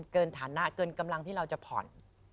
ฐานะเกินกำลังที่เราจะผ่อน